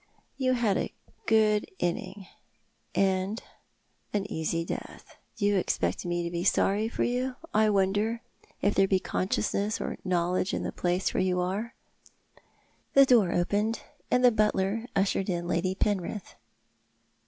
" You had a good innings, and an easy death. Do you expect me to bo sorry for you, I wonder, if there be consciousness or knowledge in the place where you are ?" The door opened, and the butler ushered in Lady Penrith.